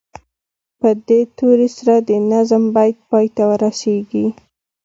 په دې توري سره د نظم بیت پای ته رسیږي.